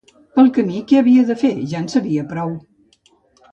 Pel camí que havia de fer, ja en sabia prou